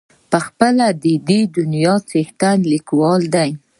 پخپله د دې دنیا څښتن لیکلی دی.